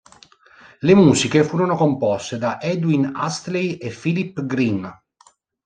Le musiche furono composte da Edwin Astley e Philip Green.